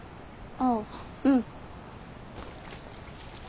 ああうん。